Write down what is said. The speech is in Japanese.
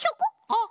あっ。